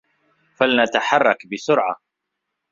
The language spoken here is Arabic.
فلنتحرّك بسرعة.